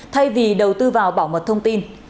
thay vì đầu tư vào bảo mật thông tin